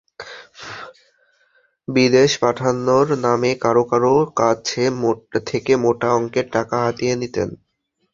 বিদেশ পাঠানোর নামে কারও কারও কাছ থেকে মোটা অঙ্কের টাকা হাতিয়ে নিতেন।